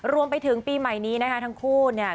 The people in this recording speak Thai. รวมไปถึงปีใหม่นี้นะคะทั้งคู่เนี่ย